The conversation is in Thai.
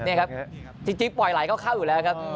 นี่ครับจริงปล่อยไหลเข้าอยู่แล้วครับ